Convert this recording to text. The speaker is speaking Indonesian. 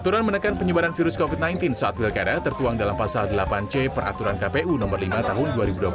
aturan menekan penyebaran virus covid sembilan belas saat pilkada tertuang dalam pasal delapan c peraturan kpu nomor lima tahun dua ribu dua puluh